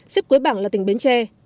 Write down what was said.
xếp cuối bảng là tỉnh bến tre